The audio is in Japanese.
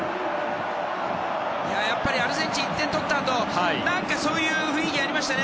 やっぱりアルゼンチン１点取ったあと何かそういう雰囲気がありましたよね